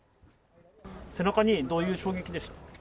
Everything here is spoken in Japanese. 背中にどういう衝撃でした？